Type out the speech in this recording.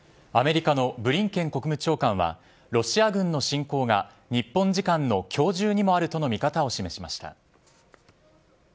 アメリカのブリンケン国務長官はロシア軍の侵攻が日本時間の今日中にもあるとの見方を示しました。